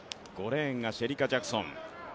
５レーンがシェリカ・ジャクソン。